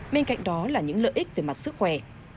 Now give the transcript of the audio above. bên cạnh đó là những lợi ích về mặt sức khỏe